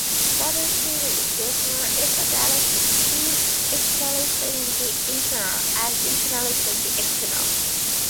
Bourdieu's theory, therefore, is a dialectic between "externalising the internal", and "internalising the external.